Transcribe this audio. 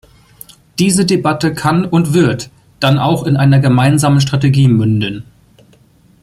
Diese Debatte kann und wird dann auch in einer gemeinsamen Strategie münden.